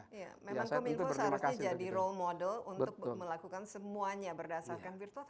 iya memang kominfo seharusnya jadi role model untuk melakukan semuanya berdasarkan virtual